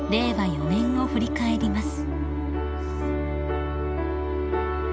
４年を振り返ります］